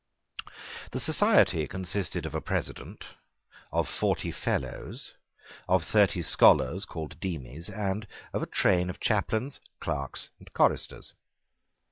The society consisted of a President, of forty Fellows, of thirty scholars called Demies, and of a train of chaplains, clerks, and choristers.